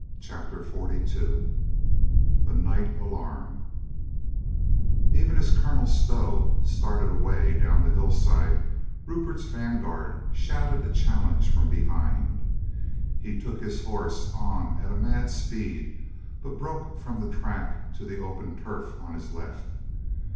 CHAPTER FORTY TWO THE NIGHT ALARM "PVEN as Colonel Stow started away down the ■^—' hill side, Rupert's vanguard shouted a chal lenge from behind. He took his horse on at a mad speed, but broke from the track to the open turf on his left.